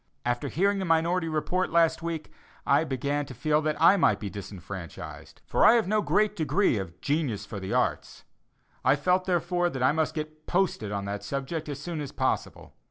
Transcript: After hearing the minority report last week, I began to feel that I might be disfranchised, for I have no great degree of "genius for the arts;" I felt, therefore, that I must get "posted" on that subject as soon as possible.